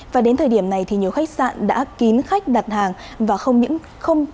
và đến thời điểm này thì nhiều khách sạn đã kín khách đặt hàng và không những không